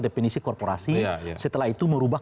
definisi korporasi setelah itu merubah